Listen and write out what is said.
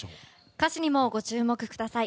歌詞にもご注目ください。